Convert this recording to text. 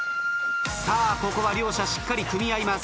さあここは両者しっかり組み合います。